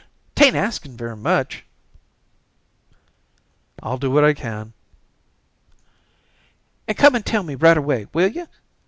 'Tain't asking very much." "I'll do what I can." "And come and tell me right away, will you?